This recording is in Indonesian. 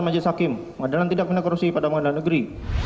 sehakim peradilan tidak menekorusi pada mana negeri